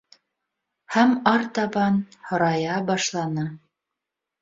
Һәм аратабан һорайа башланы: